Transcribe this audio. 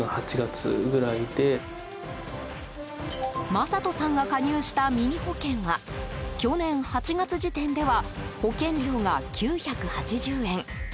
マサトさんが加入したミニ保険は去年８月時点では保険料が９８０円。